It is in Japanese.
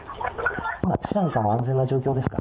今、白根さんは安全な状況ですか？